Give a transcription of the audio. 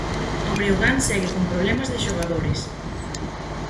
O Breogán segue con problemas de xogadores.